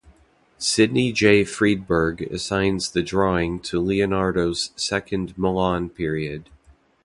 Sydney J. Freedberg assigns the drawing to Leonardo's second Milan period.